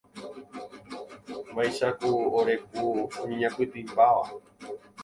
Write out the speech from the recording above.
Vaicháku ore kũ oñeñapytĩmbáva.